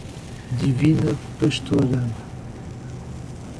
Divina Pastora